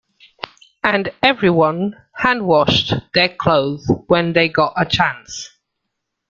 And everyone hand-washed their clothes when they got a chance.